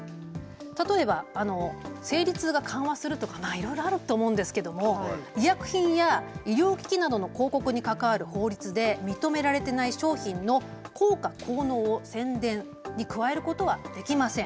例えば生理痛が緩和するとかいろいろあると思うんですけれど医薬品や医療機器などの公告に関わる法律で認められていない商品の効果、効能を宣伝に加えることはできません。